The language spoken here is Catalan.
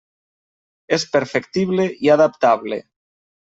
És perfectible i adaptable.